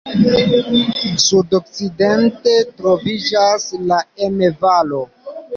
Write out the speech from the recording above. Sudokcidente troviĝas la Emme-Valo.